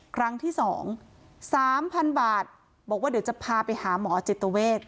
ครั้งที่๒๓๐๐๐บาทบอกว่าเดี๋ยวจะพาไปหาหมอจิตเวท